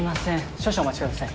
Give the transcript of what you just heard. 少々お待ちください。